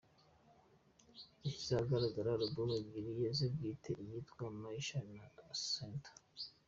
Yashyize ahagaragara albumu ebyiri ze bwite, iyitwa Maisha na Senta.